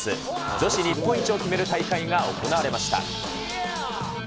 女子日本一を決める大会が行われました。